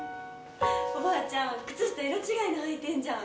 おばあちゃん、靴下色違いの履いてんじゃん！